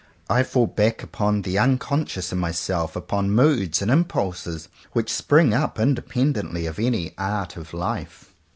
I fall back upon the unconscious in myself, upon moods and im pulses which spring up independently of any art of life.